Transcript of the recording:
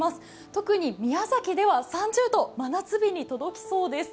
特に宮崎では３０度、真夏日に届きそうです。